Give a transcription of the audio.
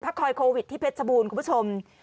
คอยโควิดที่เพชรบูรณ์คุณผู้ชม